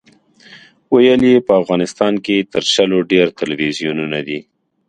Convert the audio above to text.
ویل یې په افغانستان کې تر شلو ډېر تلویزیونونه دي.